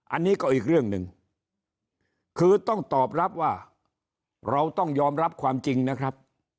อันนี้ก็อีกเรื่องหนึ่งคือต้องตอบรับว่าเราต้องยอมรับความจริงนะครับ